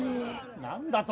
・何だと？